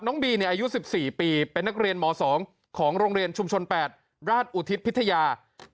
บีอายุ๑๔ปีเป็นนักเรียนม๒ของโรงเรียนชุมชน๘ราชอุทิศพิทยา